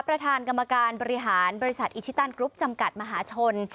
ประธานกรรมการบริหารบริษัทอิชิตันกรุ๊ปจำกัดมหาชน